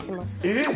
・えっ！